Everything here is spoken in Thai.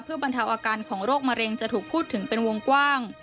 บรรเทาอาการของโรคมะเร็งจะถูกพูดถึงเป็นวงกว้าง